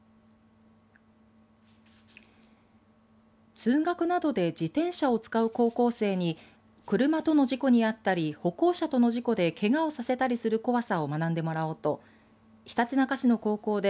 通学などで自転車を使う高校生に車との事故にあったり歩行者との事故で、けがをさせたりする怖さを学んでもらおうとひたちなか市の高校で